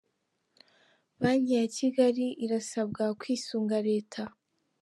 Banki ya Kigali irasabwa kwisunga Leta